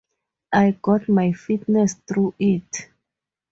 I got my fitness through it.